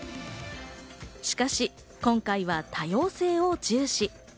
しかし、今回は多様性を重視。